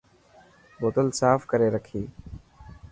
بوتل ساف ڪري رکي.